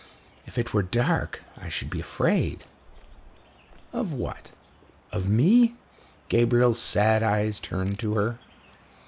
"If it were dark, I should be afraid." "Of what? Of me?" Gabriel's sad eyes turned to her.